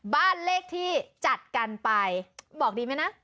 บ้านเลขที่จัดกันไปบอกดีไหมนะ